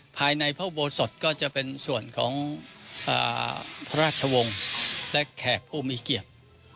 ภายในพระอุโบสถก็จะเป็นส่วนของพระราชวงศ์และแขกผู้มีเกียรติ